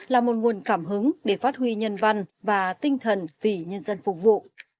là một nguồn cảm hứng để phát huy nhân văn và tinh thần vì nhân dân phục vụ